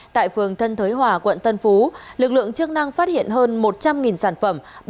tại phường thân thới hòa quận tân phú lực lượng chức năng phát hiện hơn một trăm linh sản phẩm